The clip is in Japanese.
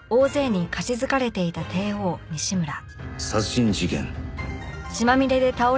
殺人事件